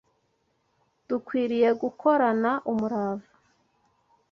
Dukwiriye gukorana umurava